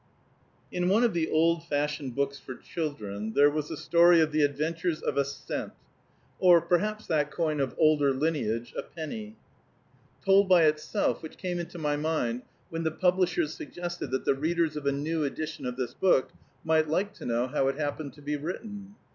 In one of the old fashioned books for children there was a story of the adventures of a cent (or perhaps that coin of older lineage, a penny) told by itself, which came into my mind when the publishers suggested that the readers of a new edition of this book might like to know how it happened to be written.